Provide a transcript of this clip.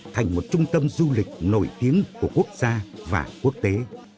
thành một trung tâm du lịch nổi tiếng của quốc gia và quốc tế